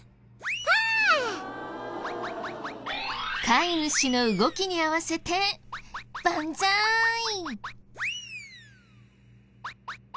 飼い主の動きに合わせてバンザイ！